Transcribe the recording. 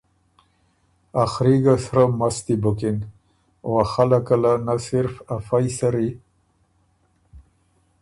ا خري ګه سرۀ مستی بُکِن او ا خلقه له نۀ صرف ا فئ سرّي